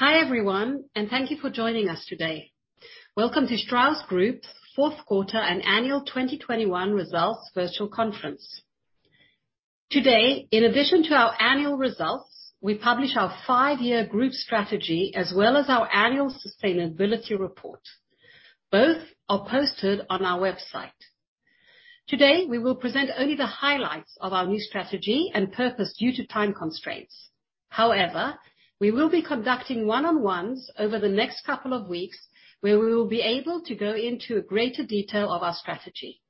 Hi, everyone, and thank you for joining us today. Welcome to Strauss Group Fourth Quarter and Annual 2021 Results Virtual Conference. Today, in addition to our annual results, we publish our five-year Group's strategy as well as our annual Sustainability Report. Both are posted on our website. Today, we will present only the highlights of our new strategy and purpose due to time constraints. However, we will be conducting one-on-ones over the next couple of weeks, where we will be able to go into a greater detail of our strategy.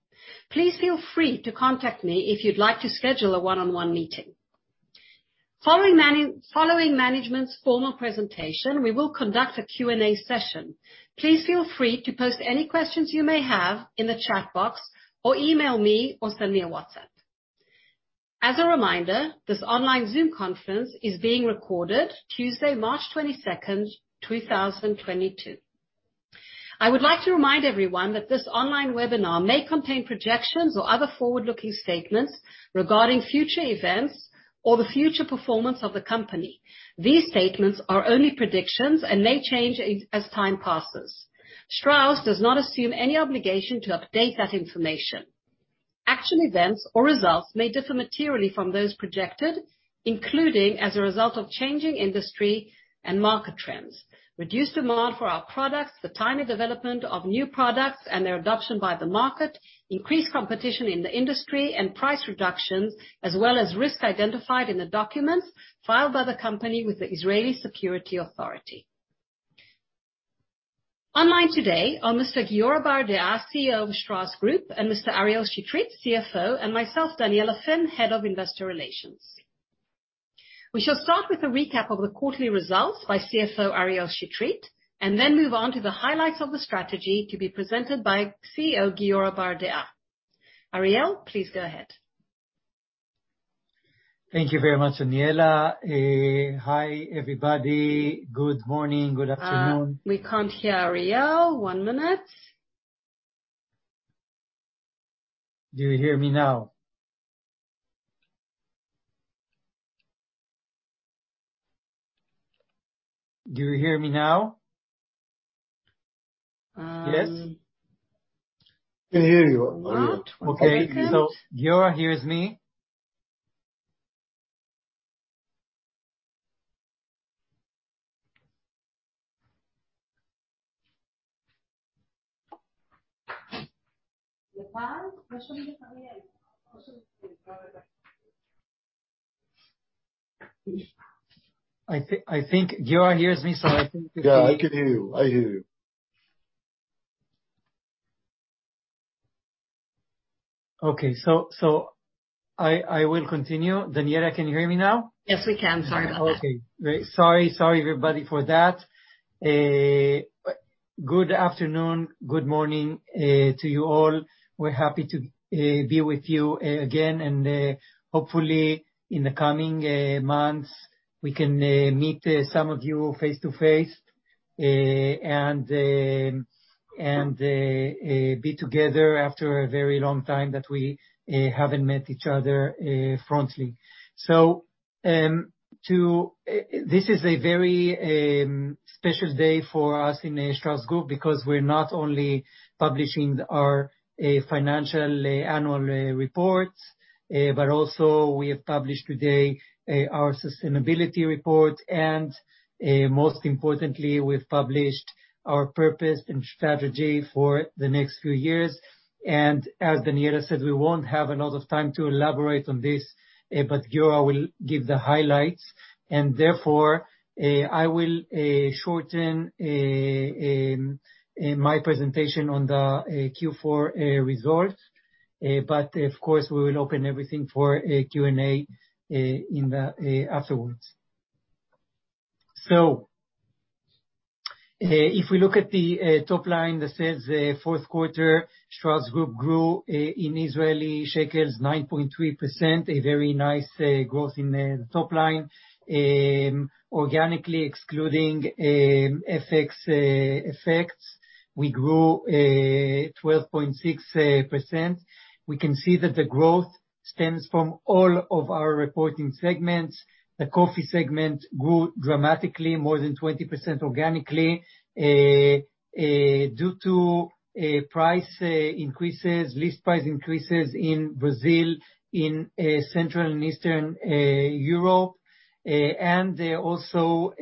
Please feel free to contact me if you'd like to schedule a one-on-one meeting. Following management's formal presentation, we will conduct a Q&A session. Please feel free to post any questions you may have in the chat box, or email me, or send me a WhatsApp. As a reminder, this online Zoom conference is being recorded Tuesday, March 22nd, 2022. I would like to remind everyone that this online webinar may contain projections or other forward-looking statements regarding future events or the future performance of the company. These statements are only predictions and may change, as time passes. Strauss does not assume any obligation to update that information. Actual events or results may differ materially from those projected, including as a result of changing industry and market trends, reduced demand for our products, the timing development of new products and their adoption by the market, increased competition in the industry, and price reductions, as well as risks identified in the documents filed by the company with the Israel Securities Authority. Online today are Mr. Giora Bardea, CEO of Strauss Group, and Mr. Ariel Chetrit, CFO, and myself, Daniella Finn, Head of Investor Relations. We shall start with a recap of the quarterly results by CFO Ariel Chetrit, and then move on to the highlights of the strategy to be presented by CEO Giora Bardea. Ariel, please go ahead. Thank you very much, Daniella. Hi, everybody. Good morning, good afternoon. We can't hear Ariel. One minute. Do you hear me now? Um. Yes? We can hear you, Ariel. No, we can't. Okay. Giora hears me. I think Giora hears me, so I think. Yeah, I can hear you. I hear you. Okay. I will continue. Daniella, can you hear me now? Yes, we can. Sorry about that. Okay. Sorry, everybody, for that. Good afternoon, good morning, to you all. We're happy to be with you again. Hopefully in the coming months we can meet some of you face-to-face and be together after a very long time that we haven't met each other face to face. This is a very special day for us in Strauss Group because we're not only publishing our financial annual report but also we have published today our Sustainability Report. Most importantly, we've published our purpose and strategy for the next few years. As Daniella said, we won't have a lot of time to elaborate on this, but Giora will give the highlights. Therefore, I will shorten my presentation on the Q4 results. Of course, we will open everything for a Q&A afterwards. If we look at the top line that says fourth quarter, Strauss Group grew 9.3% in Israeli shekels, a very nice growth in the top line. Organically excluding FX effects, we grew 12.6%. We can see that the growth stems from all of our reporting segments. The coffee segment grew dramatically, more than 20% organically due to price increases, list price increases in Brazil, in Central and Eastern Europe, and also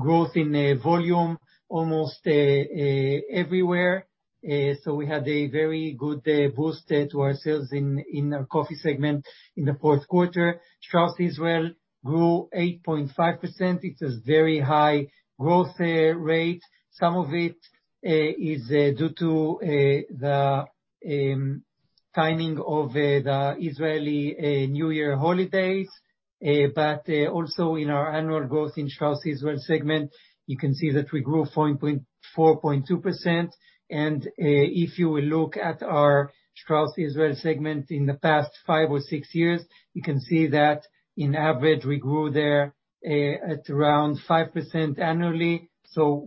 growth in volume almost everywhere. We had a very good boost to our sales in the coffee segment in the fourth quarter. Strauss Israel grew 8.5%. It is very high growth rate. Some of it is due to the timing of the Israel New Year holidays. Also in our annual growth in Strauss Israel segment, you can see that we grew 4.2%. If you look at our Strauss Israel segment in the past five or six years, you can see that on average we grew there at around 5% annually.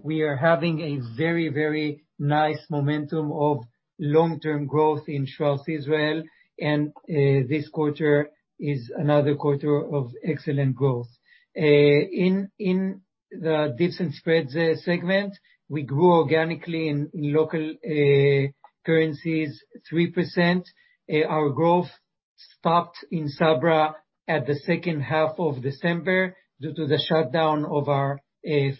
We are having a very, very nice momentum of long-term growth in Strauss Israel. This quarter is another quarter of excellent growth. In the dips and spreads segment, we grew organically in local currencies 3%. Our growth stopped in Sabra at the second half of December due to the shutdown of our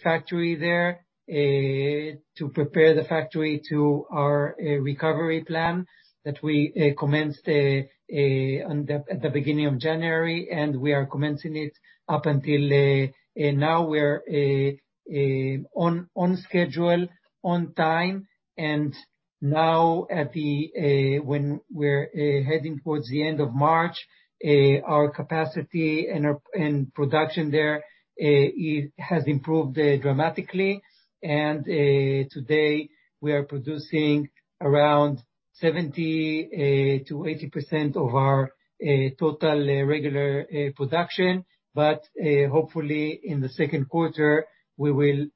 factory there to prepare the factory to our recovery plan that we commenced at the beginning of January, and we are commencing it up until now we're on schedule on time. When we're heading towards the end of March, our capacity and our production there it has improved dramatically. Today we are producing around 70%-80% of our total regular production. Hopefully in the second quarter, we will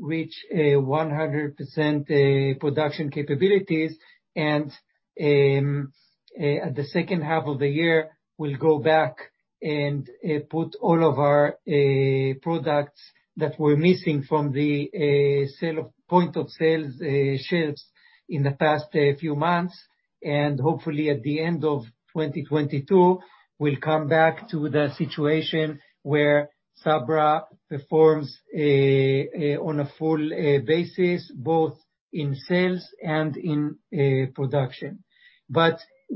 reach 100% production capabilities and at the second half of the year, we'll go back and put all of our products that we're missing from the point of sales shelves in the past few months. Hopefully, at the end of 2022, we'll come back to the situation where Sabra performs on a full basis, both in sales and in production.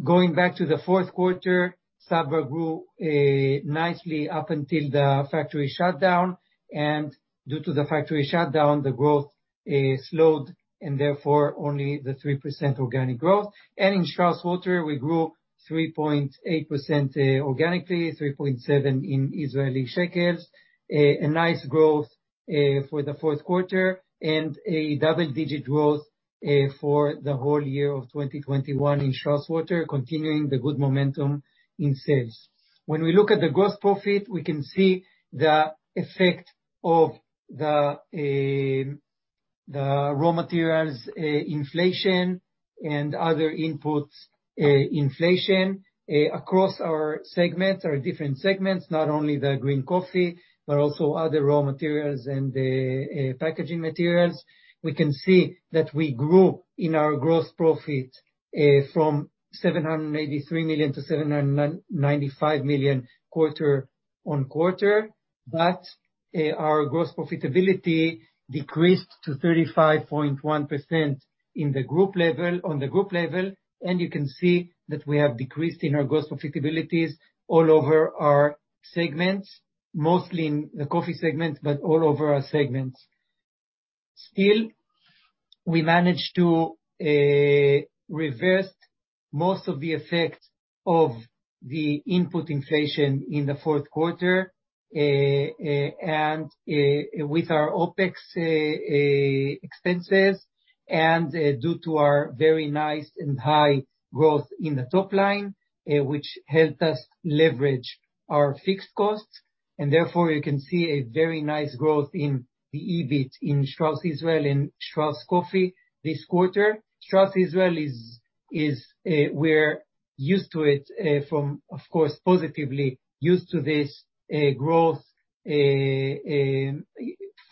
Going back to the fourth quarter, Sabra grew nicely up until the factory shutdown, and due to the factory shutdown, the growth slowed, and therefore only the 3% organic growth. In Strauss Water we grew 3.8% organically, 3.7 in Israeli shekels. A nice growth for the fourth quarter, and a double-digit growth for the whole year of 2021 in Strauss Water, continuing the good momentum in sales. When we look at the gross profit, we can see the effect of the raw materials inflation and other inputs inflation across our segments, not only the green coffee, but also other raw materials and packaging materials. We can see that we grew in our gross profit from 783 million to 795 million quarter-on-quarter. Our gross profitability decreased to 35.1% on the group level. You can see that we have decreased in our gross profitabilities all over our segments, mostly in the coffee segments, but all over our segments. Still, we managed to reverse most of the effect of the input inflation in the fourth quarter. With our OpEx expenses and due to our very nice and high growth in the top line, which helped us leverage our fixed costs, and therefore you can see a very nice growth in the EBIT in Strauss Israel and Strauss Coffee this quarter. Strauss Israel, we're used to it, of course, positively used to this growth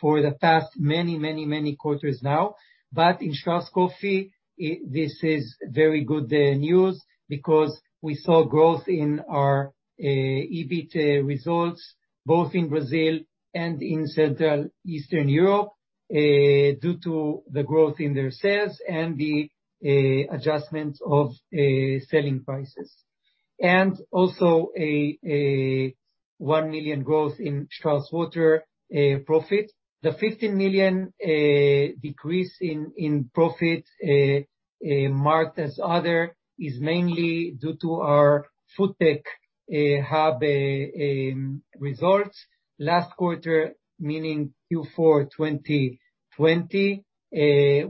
for the past many quarters now. In Strauss Coffee, this is very good news because we saw growth in our EBIT results both in Brazil and in Central and Eastern Europe due to the growth in their sales and the adjustments of selling prices. Also a 1 million growth in Strauss Water profit. The 15 million decrease in profit marked as other is mainly due to our FoodTech Hub results. Last quarter, meaning Q4 2020,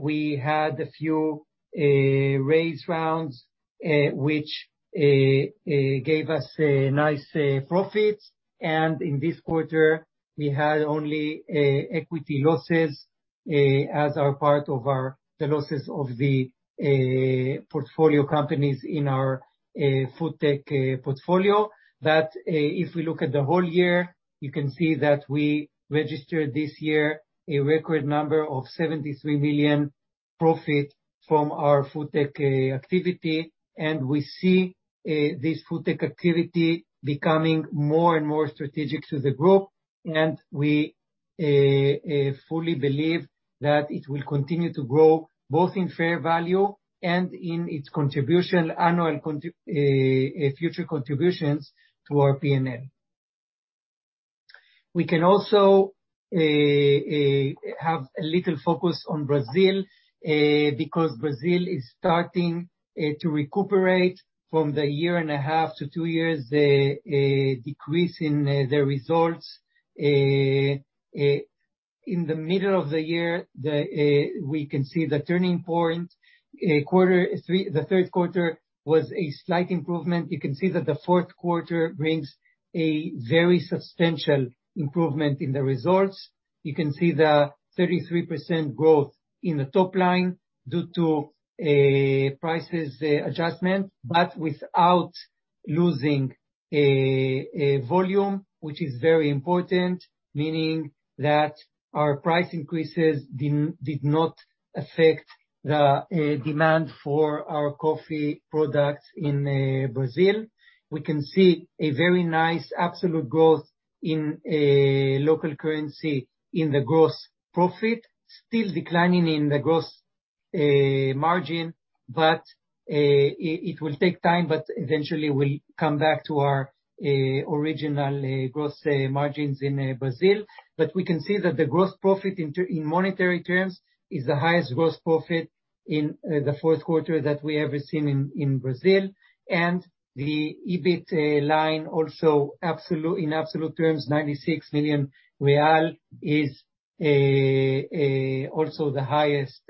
we had a few raise rounds which gave us a nice profit. In this quarter, we had only equity losses as our part of the losses of the portfolio companies in our FoodTech portfolio. That if we look at the whole year, you can see that we registered this year a record number of 73 million profit from our FoodTech activity. We see this FoodTech activity becoming more and more strategic to the group. We fully believe that it will continue to grow both in fair value and in its contribution, future contributions to our P&L. We can also have a little focus on Brazil, because Brazil is starting to recuperate from the year and a half to two years decrease in their results. In the middle of the year, we can see the turning point. The third quarter was a slight improvement. You can see that the fourth quarter brings a very substantial improvement in the results. You can see the 33% growth in the top line due to prices adjustment, but without losing volume which is very important, meaning that our price increases did not affect the demand for our coffee products in Brazil. We can see a very nice absolute growth in a local currency in the gross profit. Still declining in the gross margin, but it will take time, but eventually we'll come back to our original gross margins in Brazil. We can see that the gross profit in monetary terms is the highest gross profit in the fourth quarter that we ever seen in Brazil. The EBIT line also in absolute terms, 96 million real is also the highest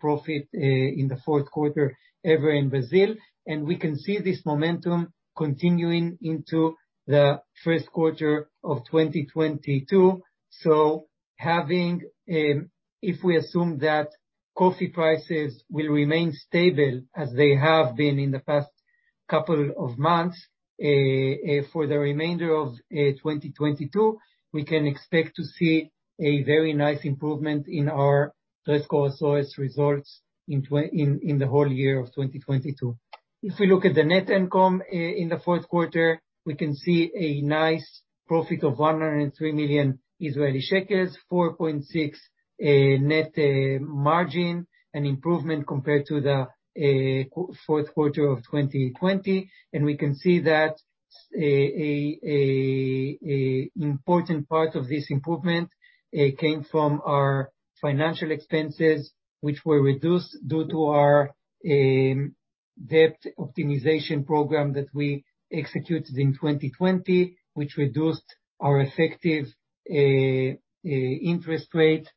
profit in the fourth quarter ever in Brazil. We can see this momentum continuing into the first quarter of 2022. If we assume that coffee prices will remain stable as they have been in the past couple of months, for the remainder of 2022, we can expect to see a very nice improvement in our Três Corações results in the whole year of 2022. If we look at the net income in the fourth quarter, we can see a nice profit of 103 million Israeli shekels, 4.6% net margin, an improvement compared to the fourth quarter of 2020. We can see that an important part of this improvement came from our financial expenses, which were reduced due to our debt optimization program that we executed in 2020, which reduced our effective interest rate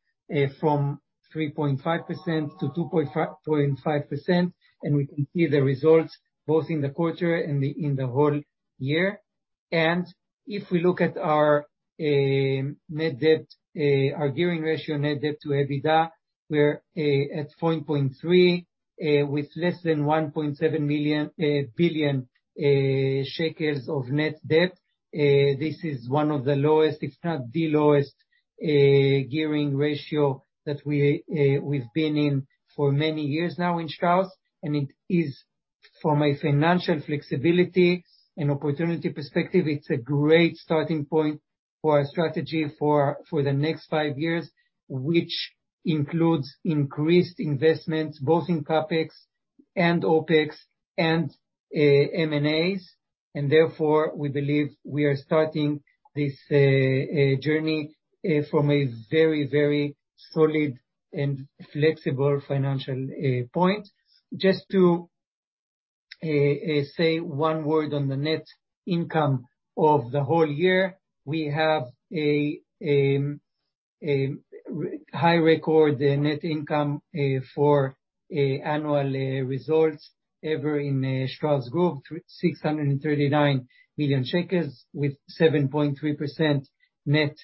from 3.5%-2.5%. We can see the results both in the quarter and in the whole year. If we look at our net debt, our gearing ratio net debt to EBITDA, we're at 4.3 with less than 1.7 billion shekels of net debt. This is one of the lowest, if not the lowest, gearing ratio that we've been in for many years now in Strauss, and it is from a financial flexibility and opportunity perspective, it's a great starting point for our strategy for the next five years, which includes increased investments both in CapEx and OpEx and M&As. Therefore, we believe we are starting this journey from a very, very solid and flexible financial point. Just to say one word on the net income of the whole year. We have a record-high net income for annual results ever in Strauss Group, 639 million shekels with 7.3% net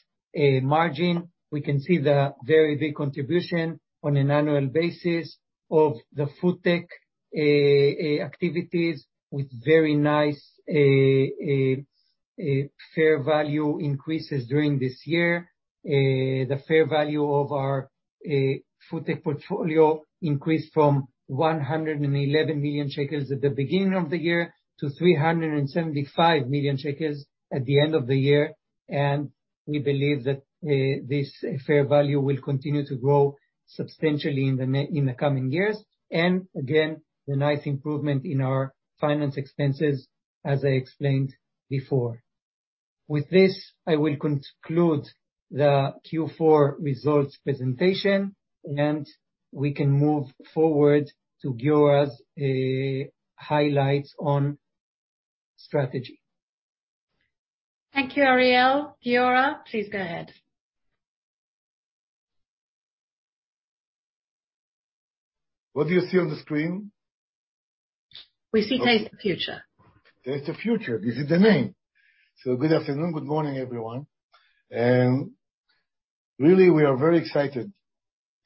margin. We can see the very big contribution on an annual basis of the FoodTech activities with very nice fair value increases during this year. The fair value of our FoodTech portfolio increased from 111 million shekels at the beginning of the year to 375 million shekels at the end of the year. We believe that this fair value will continue to grow substantially in the coming years. Again, the nice improvement in our finance expenses as I explained before. With this, I will conclude the Q4 results presentation, and we can move forward to Giora's highlights on strategy. Thank you, Ariel. Giora, please go ahead. What do you see on the screen? We see Taste the Future. Taste the Future, this is the name. Good afternoon, good morning, everyone. Really, we are very excited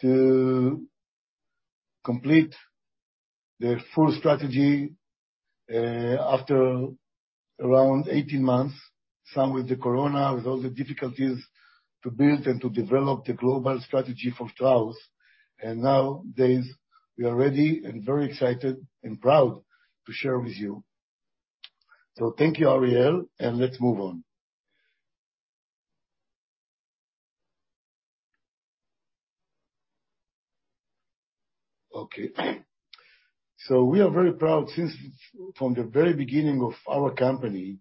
to complete the full strategy after around 18 months, some with the corona, with all the difficulties to build and to develop the global strategy for Strauss. Nowadays, we are ready and very excited and proud to share with you. Thank you, Ariel, and let's move on. Okay. We are very proud, since from the very beginning of our company,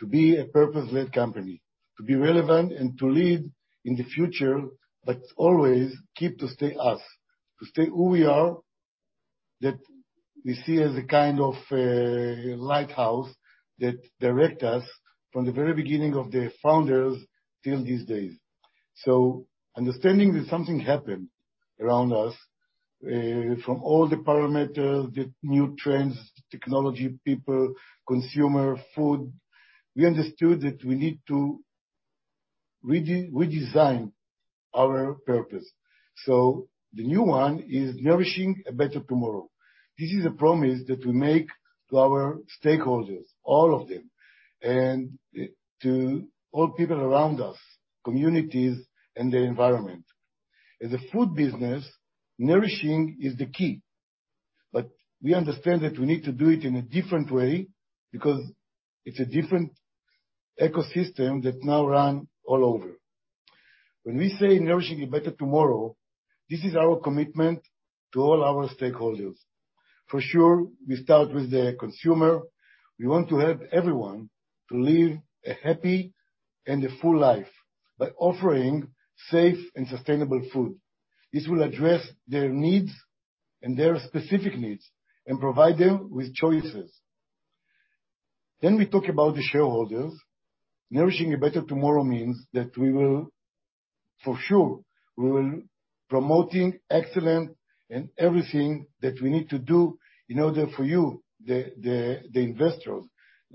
to be a purpose-led company, to be relevant and to lead in the future, but always keep to stay us. To stay who we are, that we see as a kind of lighthouse that direct us from the very beginning of the founders till these days. Understanding that something happened around us, from all the parameters, the new trends, technology, people, consumer, food, we understood that we need to redesign our purpose. The new one is nourishing a better tomorrow. This is a promise that we make to our stakeholders, all of them, and to all people around us, communities and the environment. As a food business, nourishing is the key, but we understand that we need to do it in a different way because it's a different ecosystem that now runs all over. When we say nourishing a better tomorrow, this is our commitment to all our stakeholders. For sure, we start with the consumer. We want to help everyone to live a happy and a full life by offering safe and sustainable food. This will address their needs, and their specific needs, and provide them with choices. We talk about the shareholders. Nourishing a better tomorrow means that we will for sure, we will promoting excellence in everything that we need to do in order for you, the investors,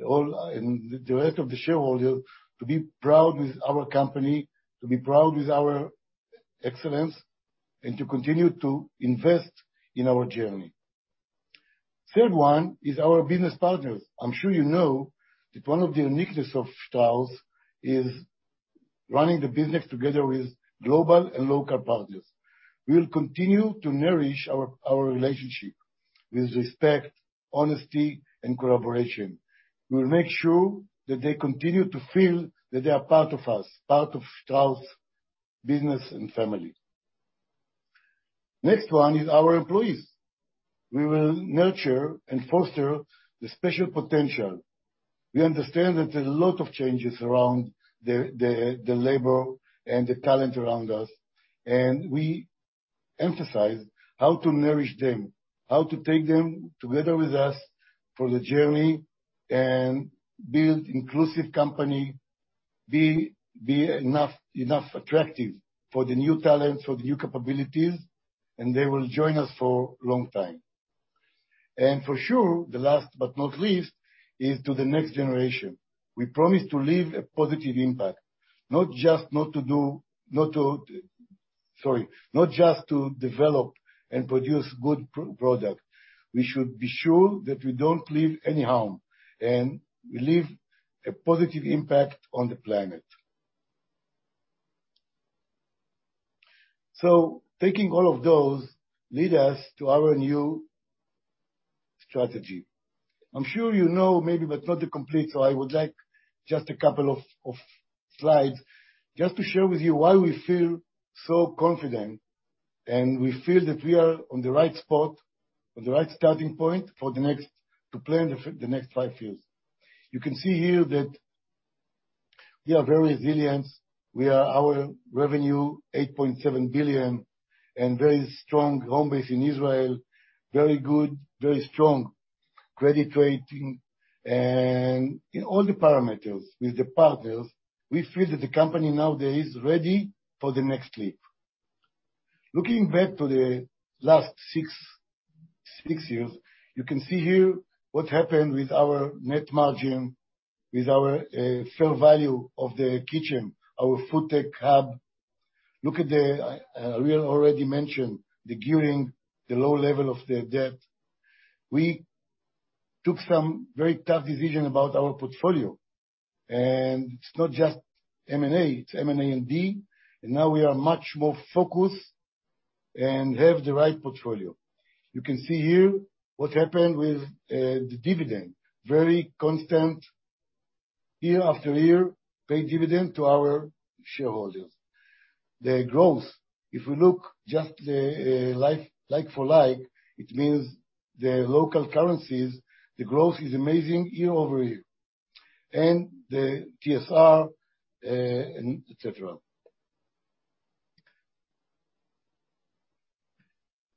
all, and the rest of the shareholder to be proud with our company, to be proud with our excellence, and to continue to invest in our journey. Third one is our business partners. I'm sure you know that one of the uniqueness of Strauss is running the business together with global and local partners. We'll continue to nourish our relationship with respect, honesty, and collaboration. We'll make sure that they continue to feel that they are part of us, part of Strauss business and family. Next one is our employees. We will nurture and foster the special potential. We understand that there's a lot of changes around the labor and the talent around us, and we emphasize how to nourish them, how to take them together with us for the journey and build inclusive company, be enough attractive for the new talents, for the new capabilities, and they will join us for long time. For sure, the last but not least is the next generation. We promise to leave a positive impact. Not just to develop and produce good product. We should be sure that we don't leave any harm, and we leave a positive impact on the planet. Taking all of those lead us to our new strategy. I'm sure you know, maybe, but not the complete, so I would like just a couple of slides just to share with you why we feel so confident, and we feel that we are on the right spot, on the right starting point for the next five years. You can see here that we are very resilient. Our revenue 8.7 billion, and very strong home base in Israel, very good, very strong credit rating, and in all the parameters with the partners, we feel that the company nowadays is ready for the next leap. Looking back to the last six years, you can see here what happened with our net margin, with our fair value of The Kitchen, our FoodTech Hub. Look at the Ariel already mentioned, the gearing, the low level of the debt. We took some very tough decisions about our portfolio. It's not just M&A, it's M&A and D, and now we are much more focused and have the right portfolio. You can see here what happened with the dividend. Very constant year after year, we pay dividend to our shareholders. The growth, if we look just like for like, it means the local currencies, the growth is amazing year-over-year. The TSR and et cetera.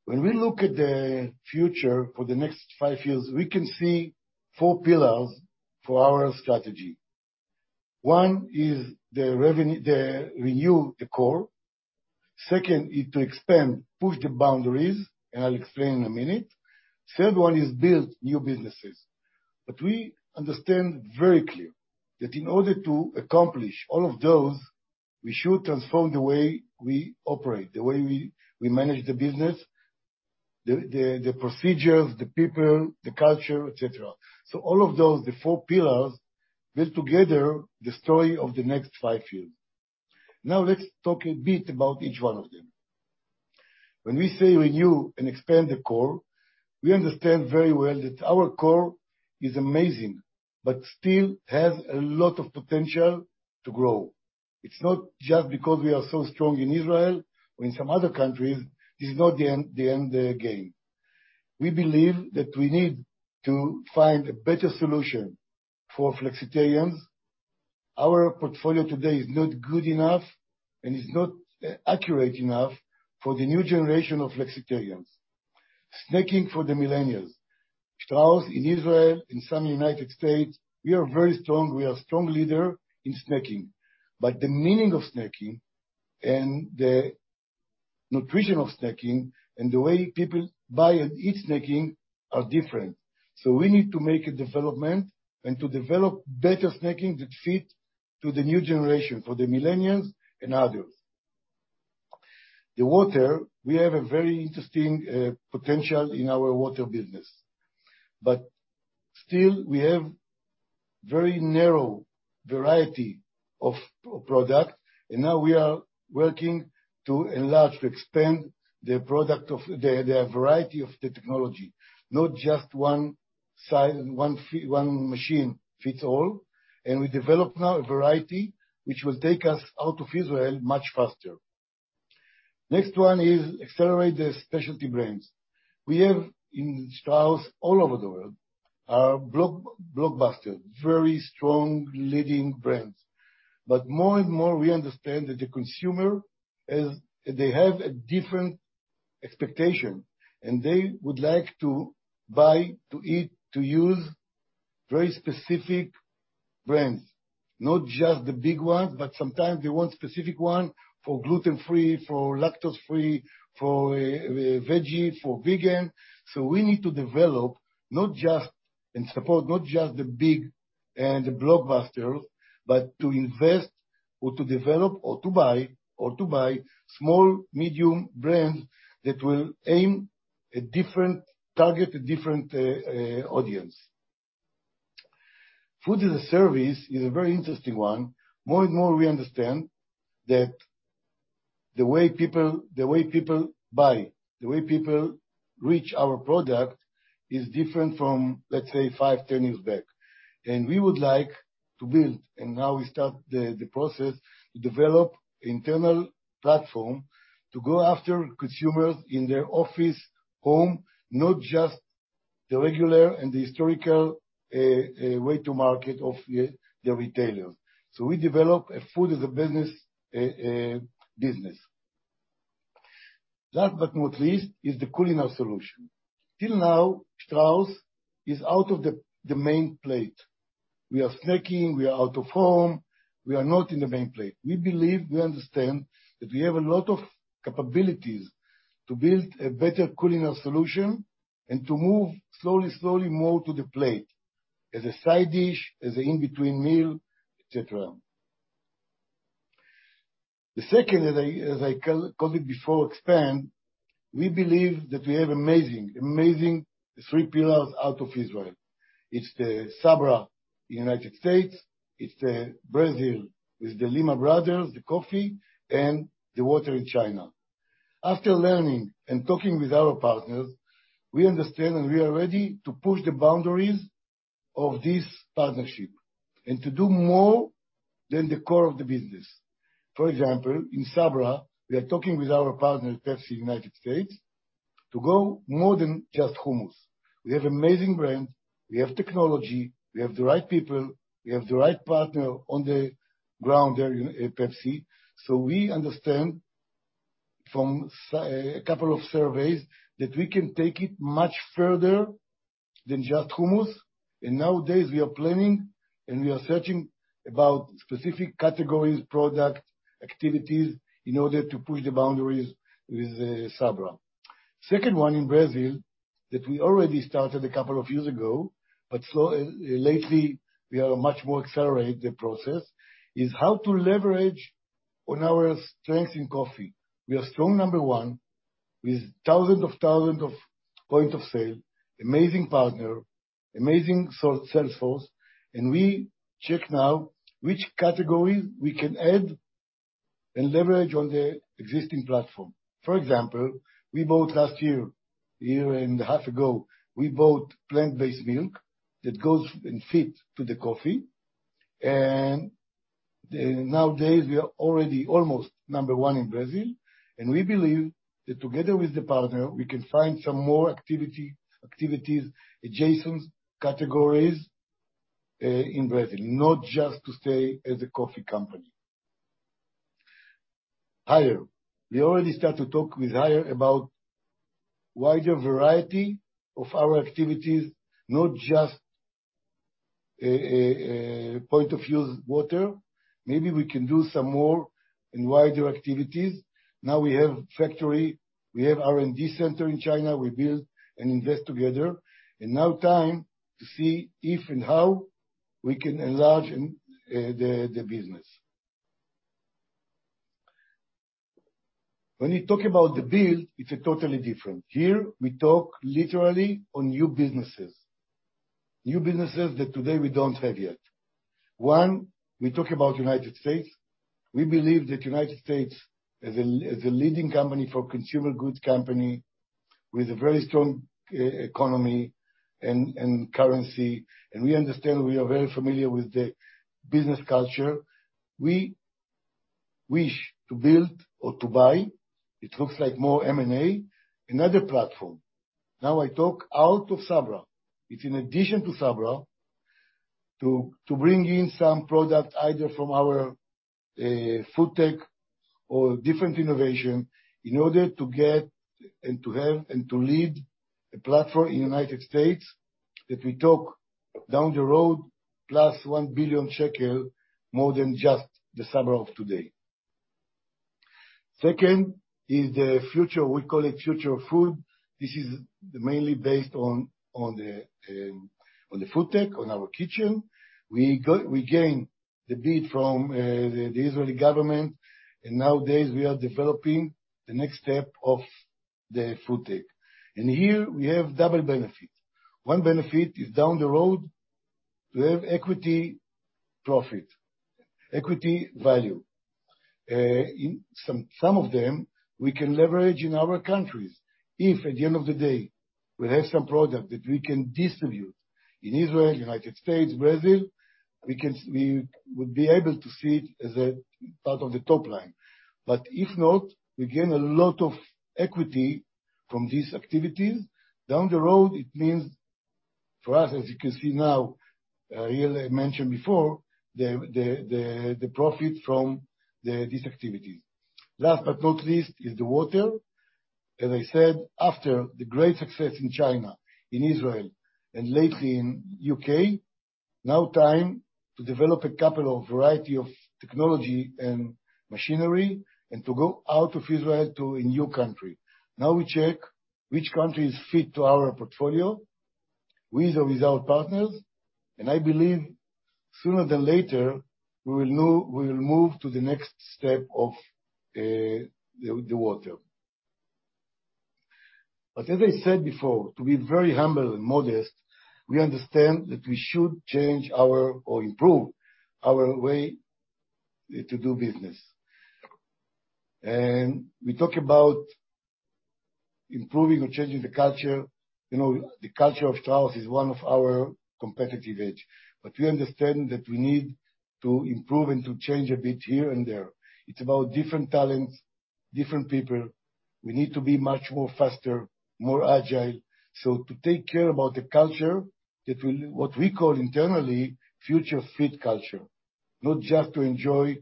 When we look at the future for the next five years, we can see four pillars for our strategy. One is to renew the core. Second is to expand, push the boundaries, and I'll explain in a minute. Third one is to build new businesses. We understand very clear that in order to accomplish all of those, we should transform the way we operate, the way we manage the business, the procedures, the people, the culture, et cetera. All of those, the four pillars, build together the story of the next five years. Now let's talk a bit about each one of them. When we say renew and expand the core, we understand very well that our core is amazing, but still has a lot of potential to grow. It's not just because we are so strong in Israel or in some other countries, this is not the end game. We believe that we need to find a better solution for flexitarians. Our portfolio today is not good enough and is not accurate enough for the new generation of flexitarians. Snacking for the millennials. Strauss Israel, in the United States, we are very strong. We are strong leader in snacking. The meaning of snacking and the nutrition of snacking and the way people buy and eat snacking are different. We need to make a development and to develop better snacking that fit to the new generation, for the millennials and others. The water, we have a very interesting potential in our water business, but still we have very narrow variety of product, and now we are working to enlarge, to expand the product, the variety of the technology, not just one machine fits all. We develop now a variety which will take us out of Israel much faster. Next one is accelerate the specialty brands. We have in Strauss all over the world, blockbuster, very strong leading brands. More and more we understand that the consumer is. They have a different expectation, and they would like to buy, to eat, to use very specific brands, not just the big ones, but sometimes they want specific one for gluten-free, for lactose-free, for veggie, for vegan. We need to develop and support not just the big and the blockbusters, but to invest or to develop or to buy small, medium brands that will aim at a different target, a different audience. Food as a service is a very interesting one. More and more, we understand that the way people buy, the way people reach our product is different from, let's say, five, 10 years back. We would like to build, and now we start the process to develop internal platform to go after consumers in their office, home, not just the regular and the historical way to market of the retailers. We develop a food as a business. Last but not least is the culinary solution. Till now, Strauss is out of the main plate. We are snacking, we are out of home, we are not in the main plate. We believe we understand that we have a lot of capabilities to build a better culinary solution and to move slowly more to the plate as a side dish, as an in-between meal, et cetera. The second, as I call it before, expand. We believe that we have amazing three pillars out of Israel. It's the Sabra, the United States, it's the Brazil with the Lima Brothers, the Coffee, and the Water in China. After learning and talking with our partners, we understand and we are ready to push the boundaries of this partnership and to do more than the core of the business. For example, in Sabra, we are talking with our partner, Pepsi United States, to go more than just hummus. We have amazing brand, we have technology, we have the right people, we have the right partner on the ground there in Pepsi. So we understand from a couple of surveys that we can take it much further than just hummus. Nowadays we are planning, and we are searching about specific categories, product, activities in order to push the boundaries with Sabra. Second one in Brazil that we already started a couple of years ago, but lately we are much more accelerated the process, is how to leverage on our strength in coffee. We are strong number one with thousands of points of sale, amazing partner, amazing sales force, and we check now which categories we can add and leverage on the existing platform. For example, we bought last year, a year and a half ago, we bought plant-based milk that goes and fit to the coffee. Nowadays we are already almost number one in Brazil, and we believe that together with the partner, we can find some more activities, adjacent categories in Brazil, not just to stay as a coffee company. Haier. We already start to talk with Haier about wider variety of our activities, not just point of use water. Maybe we can do some more in wider activities. Now we have factory, we have R&D center in China. We build and invest together. Now time to see if and how we can enlarge the business. When you talk about the build, it's a totally different. Here we talk literally on new businesses. New businesses that today we don't have yet. One, we talk about United States. We believe that United States as a leading consumer goods company with a very strong economy and currency, and we understand, we are very familiar with the business culture. We wish to build or to buy, it looks like more M&A, another platform. Now I talk out of Sabra. It's in addition to Sabra to bring in some product either from our FoodTech or different innovation in order to get and to help and to lead a platform in United States that will take, down the road, plus 1 billion shekel more than just the sum of today. Second is the future, we call it future food. This is mainly based on the FoodTech, on The Kitchen. We gain the bid from the Israeli government, and nowadays we are developing the next step of the FoodTech. Here we have double benefit. One benefit is, down the road, we have equity profit, equity value. In some of them we can leverage in other countries. If, at the end of the day, we have some product that we can distribute in Israel, United States, Brazil, we would be able to see it as a part of the top line. If not, we gain a lot of equity from these activities. Down the road, it means for us, as you can see now, Ariel mentioned before, the profit from these activities. Last but not least, is the water. As I said, after the great success in China, in Israel, and lately in UK, now time to develop a couple of variety of technology and machinery and to go out of Israel to a new country. Now we check which countries fit to our portfolio, with or without partners, and I believe sooner than later, we will move to the next step of the water. But as I said before, to be very humble and modest, we understand that we should change our or improve our way to do business. We talk about improving or changing the culture. You know, the culture of Strauss is one of our competitive edge, but we understand that we need to improve and to change a bit here and there. It's about different talents, different people. We need to be much more faster, more agile. To take care about the culture that will. What we call internally future-fit culture, not just to enjoy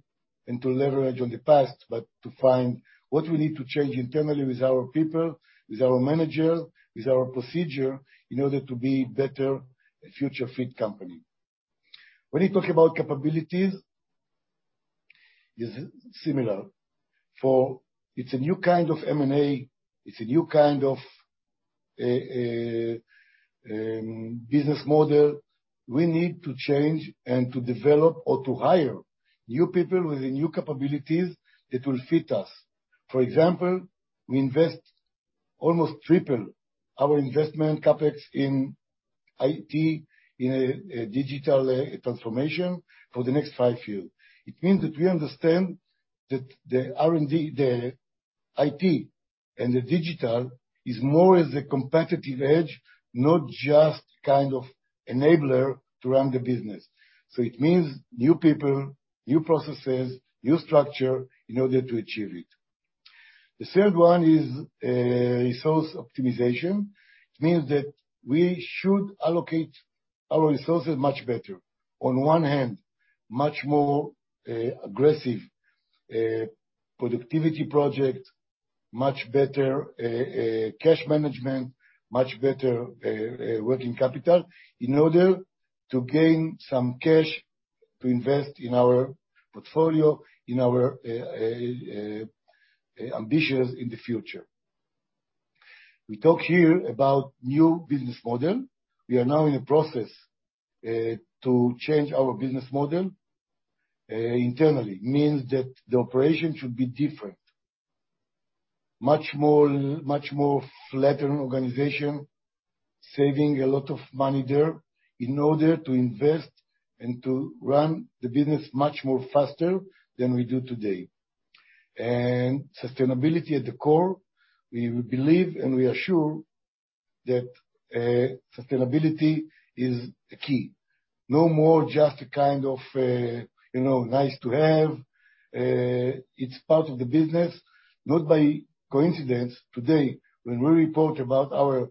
and to leverage on the past, but to find what we need to change internally with our people, with our manager, with our procedure, in order to be better a future-fit company. When you talk about capabilities, is similar for it's a new kind of M&A, it's a new kind of business model. We need to change and to develop or to hire new people with new capabilities that will fit us. For example, we invest almost triple our investment CapEx in IT, in digital transformation for the next five-year. It means that we understand that the R&D, the IT and the digital is more as a competitive edge, not just kind of enabler to run the business. It means new people, new processes, new structure in order to achieve it. The third one is resource optimization. It means that we should allocate our resources much better. On one hand, much more aggressive productivity project, much better cash management, much better working capital in order to gain some cash to invest in our portfolio, in our ambitions in the future. We talk here about new business model. We are now in a process to change our business model internally. Means that the operation should be different. Much more flattened organization, saving a lot of money there in order to invest and to run the business much more faster than we do today. Sustainability at the core, we believe, and we are sure that sustainability is key. No more, just a kind of you know, nice to have. It's part of the business. Not by coincidence today, when we report about our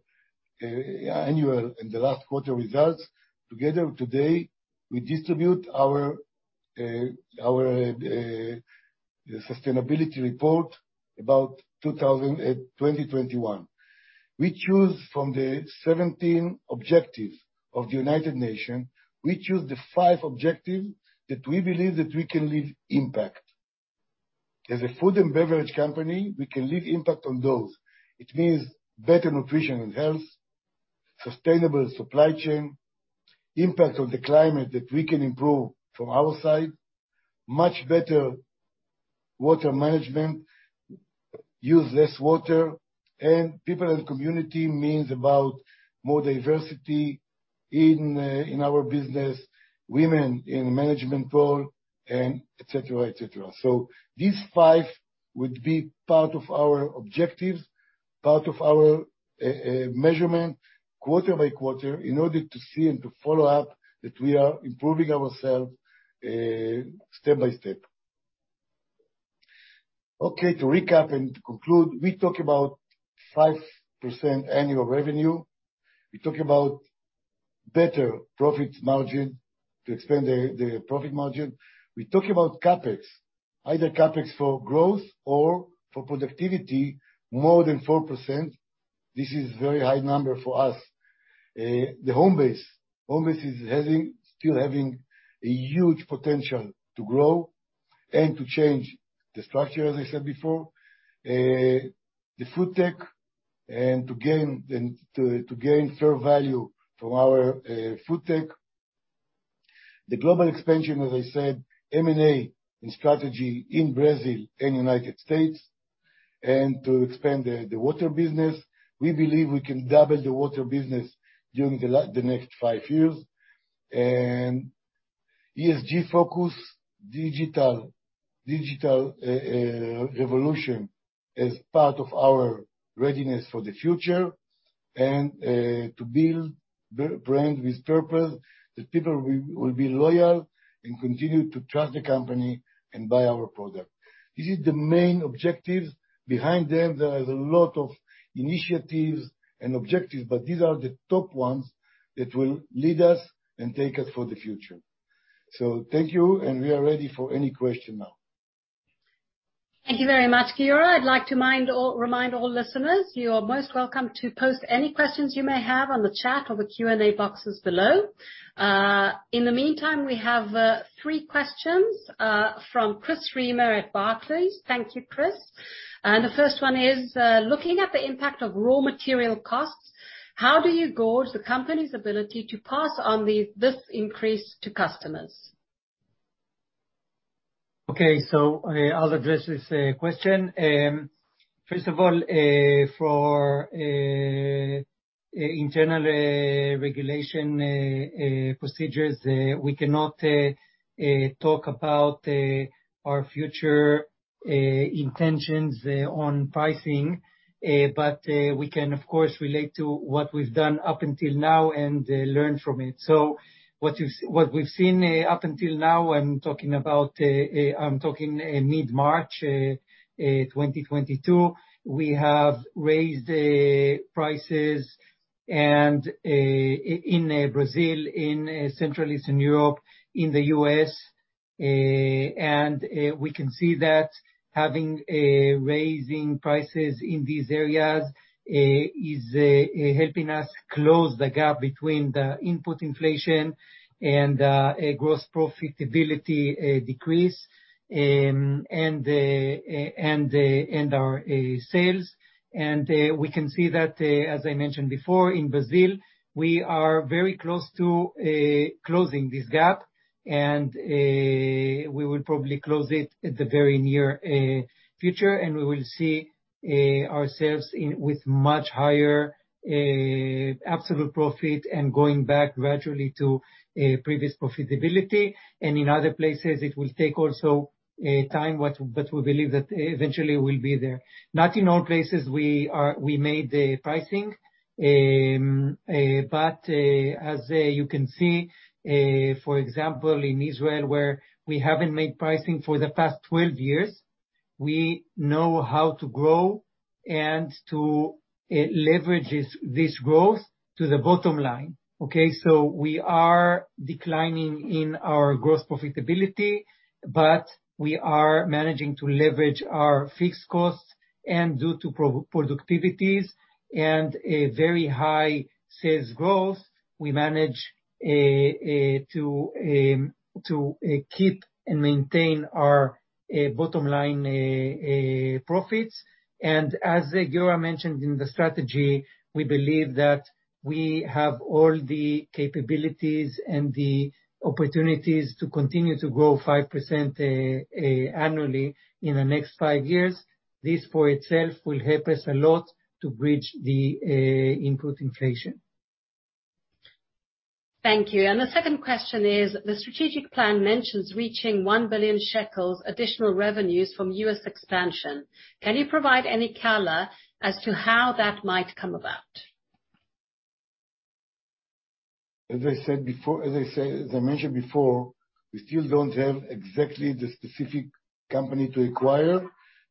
annual and the last quarter results, together today, we distribute our Sustainability Report about 2021. We choose from the 17 objectives of the United Nations the five objectives that we believe we can leave impact. As a food and beverage company, we can leave impact on those. It means better nutrition and health, sustainable supply chain, impact on the climate that we can improve from our side, much better water management, use less water, and people and community means about more diversity in our business, women in management role and et cetera, et cetera. These five would be part of our objectives, part of our measurement quarter-by-quarter in order to see and to follow up that we are improving ourselves step by step. Okay, to recap and to conclude, we talk about 5% annual revenue. We talk about better profit margin, to expand the profit margin. We talk about CapEx, either CapEx for growth or for productivity more than 4%. This is a very high number for us. The home base is still having a huge potential to grow and to change the structure, as I said before. The FoodTech and to gain fair value from our FoodTech. The global expansion, as I said, M&A and strategy in Brazil and United States. To expand the water business. We believe we can double the water business during the next five years. ESG focus, digital revolution as part of our readiness for the future and to build brand with purpose that people will be loyal and continue to trust the company and buy our product. This is the main objectives. Behind them, there is a lot of initiatives and objectives, but these are the top ones that will lead us and take us for the future. Thank you, and we are ready for any question now. Thank you very much, Giora. I'd like to remind all listeners, you are most welcome to post any questions you may have on the chat or the Q&A boxes below. In the meantime, we have three questions from Chris Reimer at Barclays. Thank you, Chris. The first one is looking at the impact of raw material costs, how do you gauge the company's ability to pass on this increase to customers? Okay. I'll address this question. First of all, for internal regulatory procedures, we cannot talk about our future intentions on pricing, but we can of course relate to what we've done up until now and learn from it. What we've seen up until now, I'm talking about mid-March 2022, we have raised prices and in Brazil, in Central Eastern Europe, in the U.S., and we can see that raising prices in these areas is helping us close the gap between the input inflation and a gross profitability decrease and our sales. We can see that, as I mentioned before, in Brazil, we are very close to closing this gap, and we will probably close it at the very near future, and we will see ourselves with much higher absolute profit and going back gradually to previous profitability. In other places, it will take also time, but we believe that eventually we'll be there. Not in all places we made the pricing, but as you can see, for example, in Israel, where we haven't made pricing for the past 12 years, we know how to grow and to leverage this growth to the bottom line. Okay? We are declining in our gross profitability, but we are managing to leverage our fixed costs, and due to productivities and a very high sales growth, we manage to keep and maintain our bottom line profits. As Giora mentioned in the strategy, we believe that we have all the capabilities and the opportunities to continue to grow 5% annually in the next five years. This for itself will help us a lot to bridge the input inflation. Thank you. The second question is: The strategic plan mentions reaching 1 billion shekels additional revenues from U.S. expansion. Can you provide any color as to how that might come about? As I mentioned before, we still don't have exactly the specific company to acquire,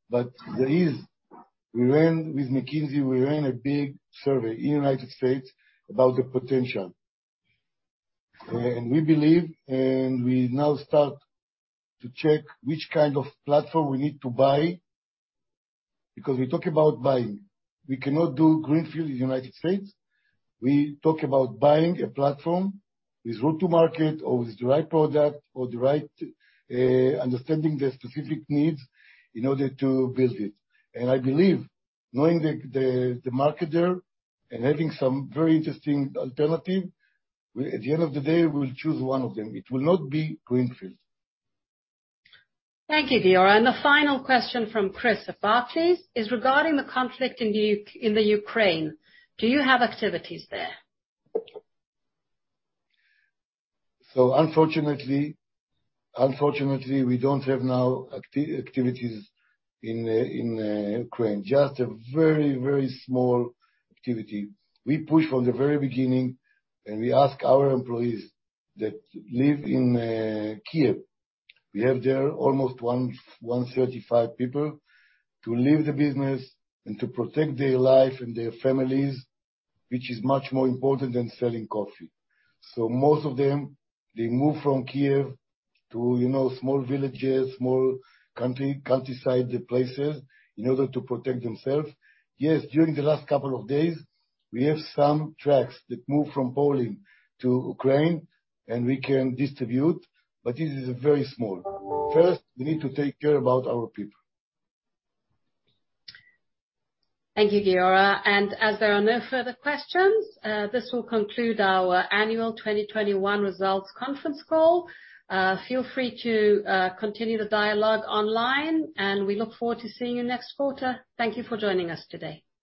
but there is. We ran, with McKinsey, a big survey in the United States about the potential. We believe, and we now start to check which kind of platform we need to buy, because we talk about buying. We cannot do greenfield in the United States. We talk about buying a platform with route to market or with the right product or the right understanding the specific needs in order to build it. I believe knowing the market there and having some very interesting alternative, at the end of the day, we'll choose one of them. It will not be greenfield. Thank you, Giora. The final question from Chris at Barclays is regarding the conflict in Ukraine. Do you have activities there? Unfortunately, unfortunately, we don't have now activities in Ukraine. Just a very small activity. We pushed from the very beginning, and we asked our employees that live in Kyiv, we have there almost 135 people, to leave the business and to protect their life and their families, which is much more important than selling coffee. Most of them, they moved from Kyiv to, you know, small villages, small country, countryside places in order to protect themselves. Yes, during the last couple of days, we have some trucks that move from Poland to Ukraine, and we can distribute, but it is very small. First, we need to take care about our people. Thank you, Giora. As there are no further questions, this will conclude our Annual 2021 Results Conference Call. Feel free to continue the dialogue online, and we look forward to seeing you next quarter. Thank you for joining us today.